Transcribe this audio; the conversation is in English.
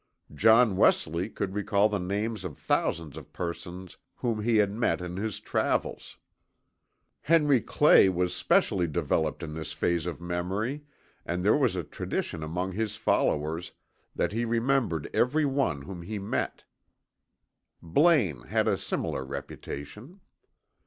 John Wesley could recall the names of thousands of persons whom he had met in his travels. Henry Clay was specially developed in this phase of memory, and there was a tradition among his followers that he remembered every one whom he met. Blaine had a similar reputation.